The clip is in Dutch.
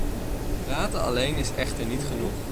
Praten alleen is echter niet genoeg.